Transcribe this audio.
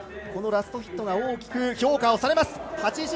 ラストヒットが大きく評価されました。